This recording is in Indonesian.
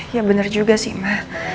ya bener juga sih ma